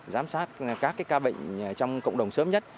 giám sát các ca bệnh trong cộng đồng sớm nhất